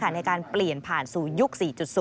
ในการเปลี่ยนผ่านสู่ยุค๔๐